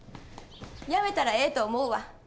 やめたらええと思うわ。